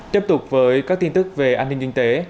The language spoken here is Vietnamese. tiếp tục với các tin tức về an ninh kinh tế